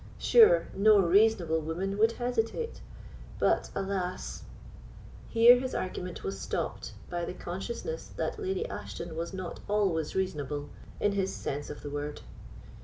Sure, no reasonable woman would hesitate. But alas——!" Here his argument was stopped by the consciousness that Lady Ashton was not always reasonable, in his sense of the word.